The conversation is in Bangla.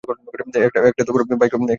একটা বাইকও যেতে দিবে না।